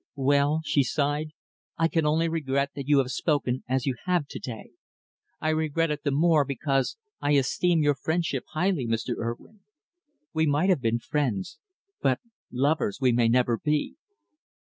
"Well," she sighed, "I can only regret that you have spoken as you have to day. I regret it the more because I esteem your friendship highly, Mr. Urwin. We might have been friends but lovers we may never be!"